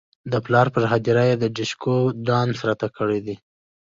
د پلار پر هدیره یې ډیشکو ډانس راته کړی دی.